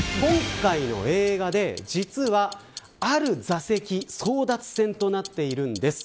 今回の映画で、実はある座席争奪戦となっているんです。